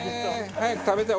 早く食べたい。